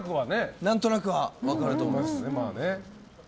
なんとなくは分かると思います。